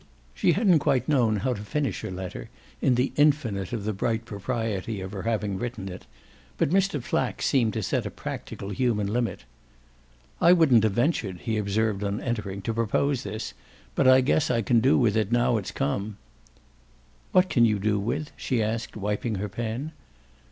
She hadn't quite known how to finish her letter, in the infinite of the bright propriety of her having written it, but Mr. Flack seemed to set a practical human limit. "I wouldn't have ventured," he observed on entering, "to propose this, but I guess I can do with it now it's come." "What can you do with?" she asked, wiping her pen.